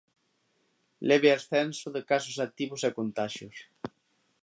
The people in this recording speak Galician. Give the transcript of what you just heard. Leve ascenso de casos activos e contaxios.